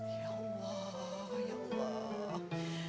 ya allah ya allah